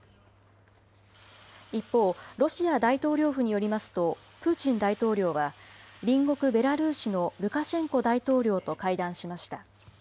一方、ロシア大統領府によりますと、プーチン大統領は隣国ベラルーシのルカシェンコ大統領と会談しました。